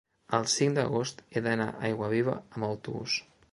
el cinc d'agost he d'anar a Aiguaviva amb autobús.